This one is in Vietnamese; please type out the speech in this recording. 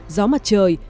gió mặt trời